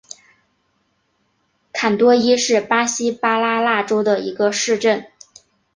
坎多伊是巴西巴拉那州的一个市镇。